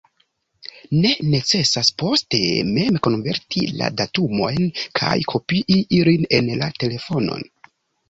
Ne necesas poste mem konverti la datumojn kaj kopii ilin en la telefonon.